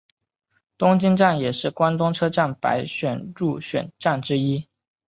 东京站也是关东车站百选入选站之一。